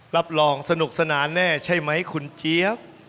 รับรองสนุกสนานแน่ใช่ไหมคุณเจี๊ยบ